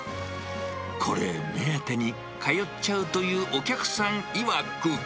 これ目当てに通っちゃうというお客さんいわく。